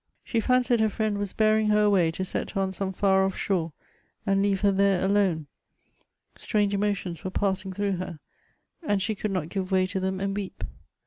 She fancied her friend was bearing her away to set her on some far off shore, and leave her there alone ; strange emotions were passing through her, and she could not give way to them and weep.